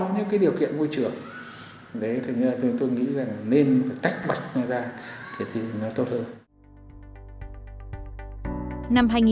những cái điều kiện môi trường đấy thì tôi nghĩ là nên phải tách bạch nó ra thì nó tốt hơn